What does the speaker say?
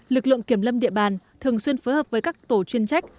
lực lượng kiểm lâm địa bàn thường xuyên phối hợp với các tổ chuyên trách